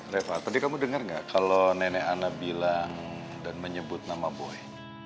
reva tadi kamu dengar nggak kalau nenek ana bilang dan menyebut nama boy